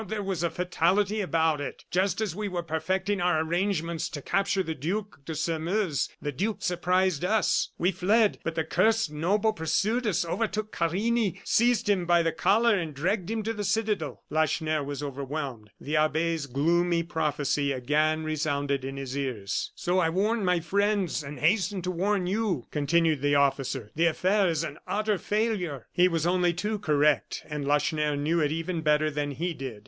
"Ah! there was a fatality about it! Just as we were perfecting our arrangements to capture the Duc de Sairmeuse, the duke surprised us. We fled, but the cursed noble pursued us, overtook Carini, seized him by the collar, and dragged him to the citadel." Lacheneur was overwhelmed; the abbe's gloomy prophecy again resounded in his ears. "So I warned my friends, and hastened to warn you," continued the officer. "The affair is an utter failure!" He was only too correct; and Lacheneur knew it even better than he did.